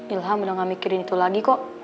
ilham udah gak mikirin itu lagi kok